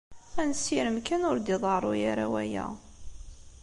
Ad nessirem kan ur d-iḍerru ara waya.